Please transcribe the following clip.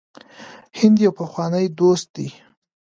هند یو پخوانی دوست دی.